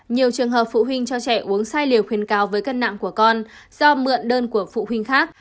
nhiều trường hợp phụ huynh cho trẻ uống sai liều khuyến cáo với cân nặng của con do mượn đơn của phụ huynh khác